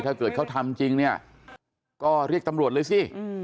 ถ้าเกิดเขาทำจริงเนี่ยก็เรียกตำรวจเลยสิ